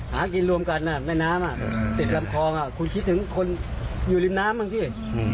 หากินรวมกันแม่น้ำติดลำคลองคุณคิดถึงคนอยู่ริมน้ำบ้างพี่